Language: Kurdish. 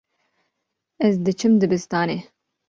Ez diçim dibistanê.